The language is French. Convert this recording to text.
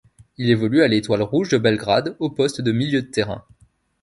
Il évolue à l'Étoile rouge de Belgrade au poste de milieu de terrain.